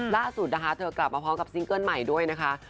ล่าสุดนะคะเธอกลับมาพร้อมกับซิงเกิ้ลใหม่ด้วยนะคะ